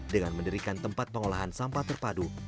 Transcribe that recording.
dengan mendirikan tempat pengolahan sampah terpadu